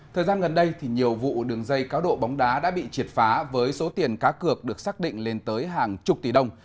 thời gian gần đây thì nhiều vụ đường dây cá độ bóng đá đã bị triệt phá với số tiền cá cược được xác định lên tới hàng chục tỷ đồng